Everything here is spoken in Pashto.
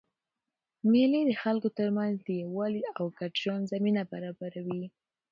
مېلې د خلکو ترمنځ د یووالي او ګډ ژوند زمینه برابروي.